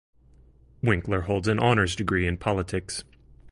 Winkler holds an honours degree in politics.